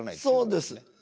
そうです